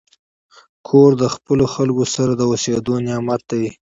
کور د خپلو خلکو سره د اوسېدو نعمت دی.